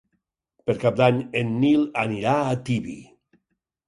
Per Cap d'Any en Nil anirà a Tibi.